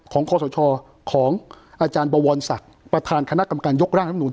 คอสชของอาจารย์บวรศักดิ์ประธานคณะกรรมการยกร่างรัฐมนุน